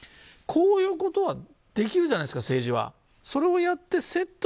こういうことはできるじゃないですか、政治は。